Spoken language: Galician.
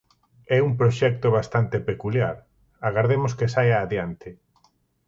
É un proxecto bastante peculiar, agardemos que saia adiante.